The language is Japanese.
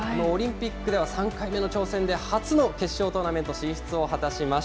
オリンピックでは３回目の挑戦で、初の決勝トーナメント進出を果た